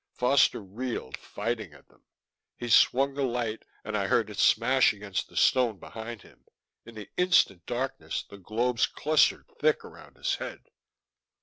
Foster reeled, fighting at them. He swung the light and I heard it smash against the stone behind him. In the instant darkness, the globes clustered thick around his head.